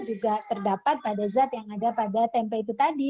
juga terdapat pada zat yang ada pada tempe itu tadi